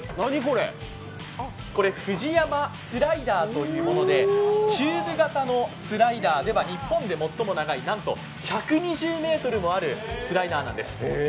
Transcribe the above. これ、ＦＵＪＩＹＡＭＡスライダーというものでして、チューブ型スライダー日本で最も長いなんと１２０ｍもあるスライダーなんです。